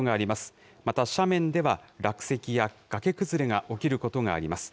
また斜面では、落石や崖崩れが起きることがあります。